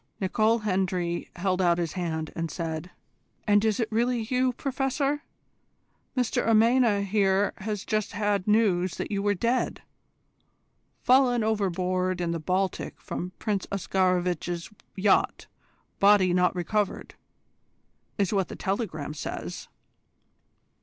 Nicol Hendry held out his hand, and said: "And is it really you, Professor? Mr Amena here has just had news that you were dead 'fallen overboard in the Baltic from Prince Oscarovitch's yacht. Body not recovered,' is what the telegram says."